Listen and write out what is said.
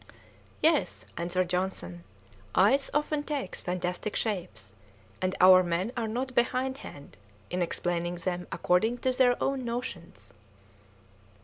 "Yes," answered Johnson, "ice often takes fantastic shapes, and our men are not behindhand in explaining them according to their own notions."